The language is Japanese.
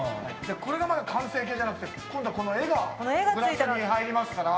これがまだ完成形じゃなくて、今度はこの絵がグラスに入りますから。